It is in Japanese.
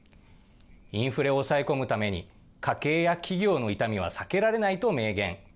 インフレを抑え込むために、家計や企業の痛みは避けられないと明言。